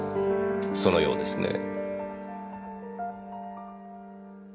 そのようですね。